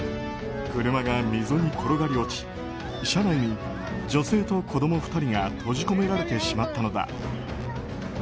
車が溝に転がり落ち、車内に女性と子供２人が閉じ込められてしまったのだ。